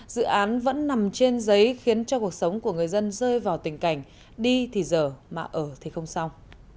dự án vẫn nằm trên giấy khiến cho cuộc sống của người dân rơi vào tình cảnh đi thì giờ mà ở thì không xong